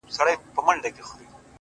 د ساغورث سختې قضيې” راته راوبهيدې”